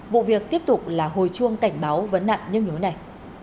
vụ việc tiếp tục là hồi chuông cảnh báo vấn nặng nhưng nhối này